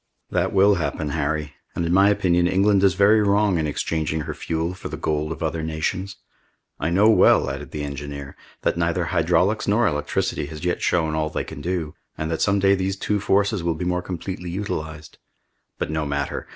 "That will happen, Harry; and in my opinion England is very wrong in exchanging her fuel for the gold of other nations! I know well," added the engineer, "that neither hydraulics nor electricity has yet shown all they can do, and that some day these two forces will be more completely utilized. But no matter!